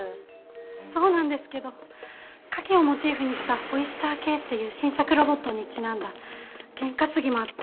そうなんですけどカキをモチーフにしたオイスターＫっていう新作ロボットにちなんだゲン担ぎもあって。